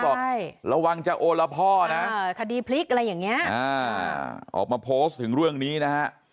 บอกระวังจะโอละพ่อนะออกมาโพสต์ถึงเรื่องนี้นะ